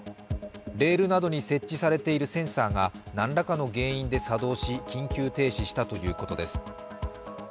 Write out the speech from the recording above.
レールなどに設置されているセンサーが何らかの原因で作動し、緊急停止したということです。